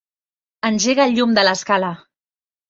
Engega el llum de l'escala.